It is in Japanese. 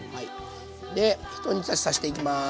でひと煮立ちさしていきます。